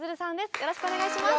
よろしくお願いします。